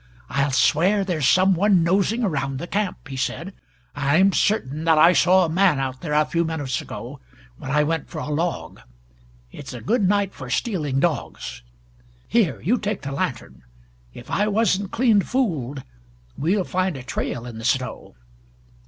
"I'll swear there's some one nosing around the camp," he said. "I'm certain that I saw a man out there a few minutes ago, when I went for a log. It's a good night for stealing dogs. Here you take the lantern! If I wasn't clean fooled, we'll find a trail in the snow."